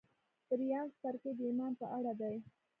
درېيم څپرکی د ايمان په اړه دی.